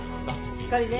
しっかりね！